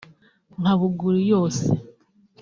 nka Buguli yo se